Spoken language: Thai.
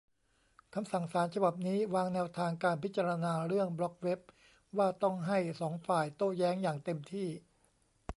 คำสั่งศาลฉบับนี้วางแนวทางการพิจารณาเรื่องบล็อกเว็บ ว่าต้องให้สองฝ่ายโต้แย้งอย่างเต็มที่